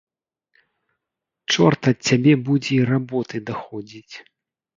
Чорт ад цябе будзе й работы даходзіць.